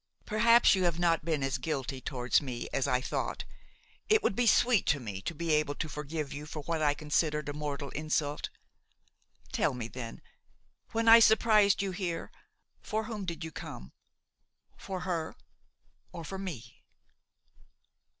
Perhaps you have not been as guilty towards me as I thought. It would be sweet to me to be able to forgive you for what I considered a mortal insult. Tell me then–when I surprised you here–for whom did you come? for her or for me?"